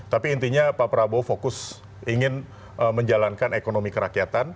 tapi intinya pak prabowo fokus ingin menjalankan ekonomi kerakyatan